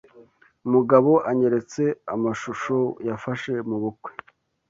Mugabo anyeretse amashusho yafashe mubukwe.